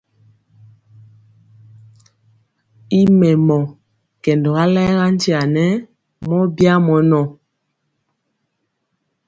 I mɛmɔ, kɛndɔga layega nkya nɛ mɔ bya mɔnɔ.